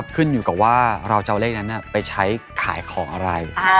ขึ้นอยู่กับว่าเราจะเอาเลขนั้นไปใช้ขายของอะไร